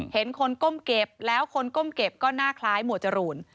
เห็นคนก้มเก็บแล้วคนก้มเก็บก็หน้าคล้ายหมวดจรูน